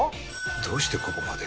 どうしてここまで？